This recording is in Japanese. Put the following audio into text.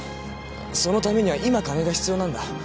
そのためには今金が必要なんだ。